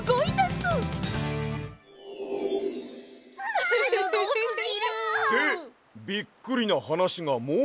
すごいよ！でびっくりなはなしがもうひとつあってな。